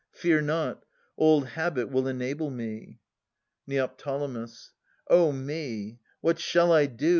Fear not. Old habit will enable me. Neo. O me! What shall I do